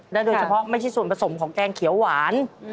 โดยเฉพาะไม่ใช่ส่วนผสมของแกงเขียวหวาน